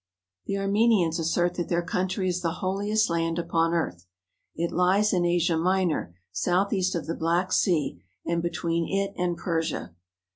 The Armenians assert that their country is the holiest land upon earth. It lies in Asia Minor, southeast of the Black Sea and between it and Persia.